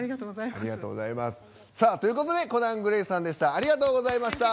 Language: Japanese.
ということでコナン・グレイさんでした。